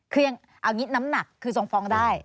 คือยังเอางี้น้ำหนักคือส่งฟ้องได้